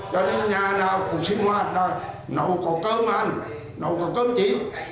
cho đến nhà nào cũng sinh hoạt rồi nấu có cơm ăn nấu có cơm chí